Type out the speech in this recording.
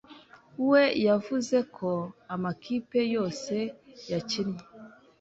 we yavuze ko amakipe yose yakinnye